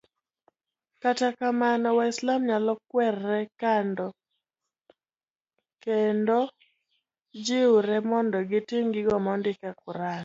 kata kamano, waislam nyalo kuerre kando jiwre mondo gitim gigo ma ondik e Quran